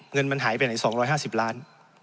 เงินมันหายไปไหน๒๕๐ล้าน